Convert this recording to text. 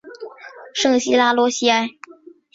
圣西拉罗西埃。